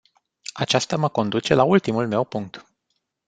Aceasta mă conduce la ultimul meu punct.